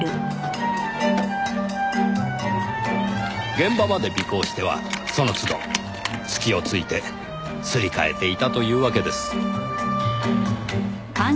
現場まで尾行してはそのつど隙をついてすり替えていたというわけです。